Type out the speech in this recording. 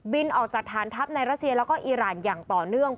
ออกจากฐานทัพในรัสเซียแล้วก็อีรานอย่างต่อเนื่อง